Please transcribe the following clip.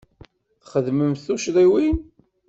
Txedmemt tuccḍiwin.